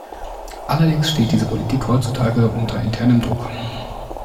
Allerdings steht diese Politik heutzutage unter internem Druck.